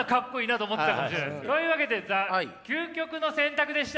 というわけでザ・究極の選択でした！